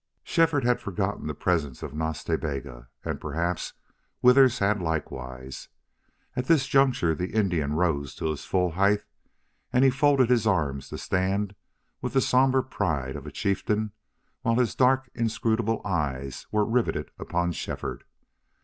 Shefford had forgotten the presence of Nas Ta Bega, and perhaps Withers had likewise. At this juncture the Indian rose to his full height, and he folded his arms to stand with the somber pride of a chieftain while his dark, inscrutable eyes were riveted upon Shefford.